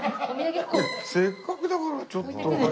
せっかくだからちょっと。